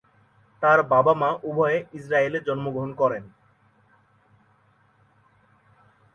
তার বাবা মা উভয়েই ইসরায়েল এ জন্মগ্রহণ করেন।